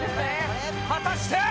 果たして。